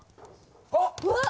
あっ！